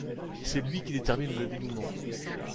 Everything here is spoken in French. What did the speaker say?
C’est lui qui détermine le dénouement.